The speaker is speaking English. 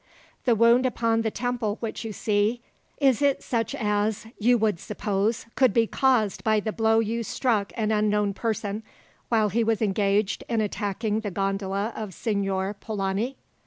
"The wound upon the temple which you see, is it such as, you would suppose, would be caused by the blow you struck an unknown person, while he was engaged in attacking the gondola of Signor Polani?"